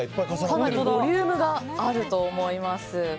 かなりボリュームがあると思います。